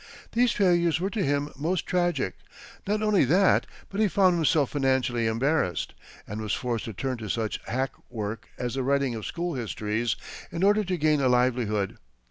These failures were to him most tragic; not only that, but he found himself financially embarrassed, and was forced to turn to such hack work as the writing of school histories in order to gain a livelihood.